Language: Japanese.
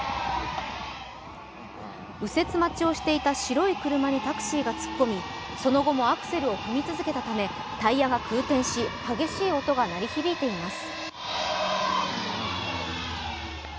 右折待ちをしていた白い車にタクシーが突っ込みその後もアクセルを踏み続けたためタイヤが空転し、激しい音が鳴り響いています。